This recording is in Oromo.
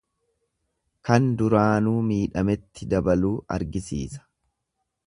Kan duraanuu miidhametti dabaluu argisiisa.